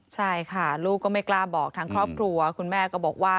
ใช่ค่ะลูกก็ไม่กล้าบอกทั้งครอบครัวคุณแม่ก็บอกว่า